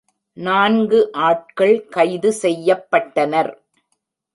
நான்கு ஆட்கள் கைது செய்யப்பட்டனர்.